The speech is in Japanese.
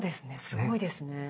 すごいですね。